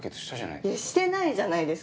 いやしてないじゃないですか。